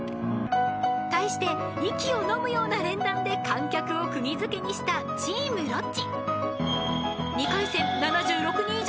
［対して息をのむような連弾で観客を釘付けにしたチームロッチ］